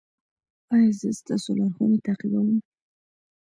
ایا زه ستاسو لارښوونې تعقیبوم؟